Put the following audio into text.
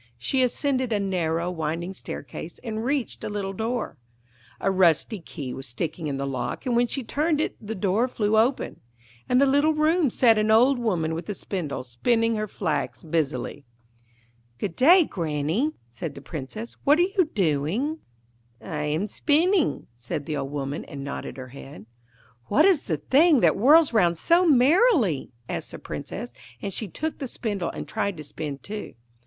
She ascended a narrow, winding staircase and reached a little door. A rusty key was sticking in the lock, and when she turned it the door flew open. In a little room sat an old woman with a spindle, spinning her flax busily. 'Good day, Granny,' said the Princess; 'what are you doing?' 'I am spinning,' said the old woman, and nodded her head. 'What is the thing that whirls round so merrily?' asked the Princess; and she took the spindle and tried to spin too.